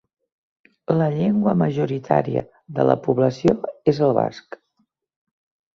La llengua majoritària de la població és el basc.